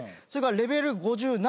レベル５７。